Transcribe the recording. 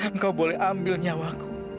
engkau boleh ambil nyawaku